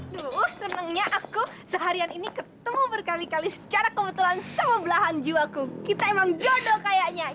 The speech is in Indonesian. duh senengnya aku seharian ini ketemu berkali kali secara kebetulan sebebelahan jiwaku kita memang jodoh kayaknya ya